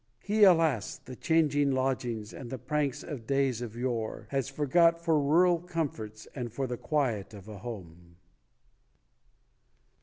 He alas, the changing lodgings, And the pranks of days of yore Has forgot for rural comforts And for the quiet of a home.